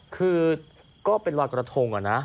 คือก็เป็นหวัดกระทงอ่ะนะ